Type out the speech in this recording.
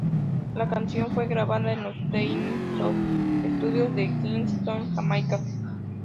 La canción fue grabada en los Dynamic Sound Studios en Kingston, Jamaica.